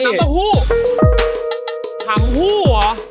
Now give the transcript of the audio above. ฮำภูทร์เหรอ